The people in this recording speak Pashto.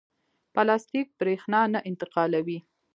پلاستیک برېښنا نه انتقالوي.